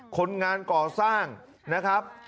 คนงานก่อสร้างนะครับ